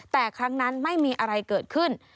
แต่ครั้งนั้นไม่มีอะไรเกิดขึ้น